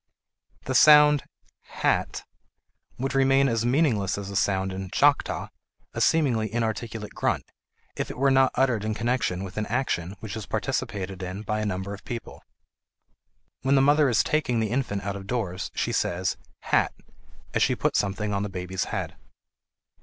The sound h a t would remain as meaningless as a sound in Choctaw, a seemingly inarticulate grunt, if it were not uttered in connection with an action which is participated in by a number of people. When the mother is taking the infant out of doors, she says "hat" as she puts something on the baby's head.